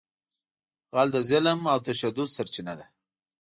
غل د ظلم او تشدد سرچینه ده